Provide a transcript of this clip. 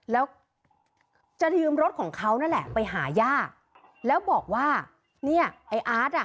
แล้วจะยืมรถของเขานั่นแหละไปหาย่าแล้วบอกว่าเนี่ยไอ้อาร์ตอ่ะ